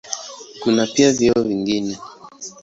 Kuna pia vyeo vingine.